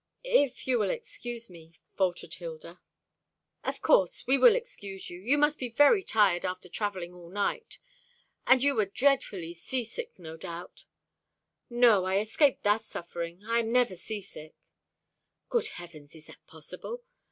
"If you will excuse me," faltered Hilda. "Of course, we will excuse you. You must be very tired, after travelling all night. And you were dreadfully sea sick, no doubt?" "No, I escaped that suffering. I am never sea sick." "Good heavens, is that possible?